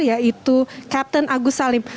yaitu kapten agus salim